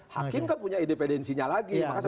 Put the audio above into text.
hakim kan punya independensinya lagi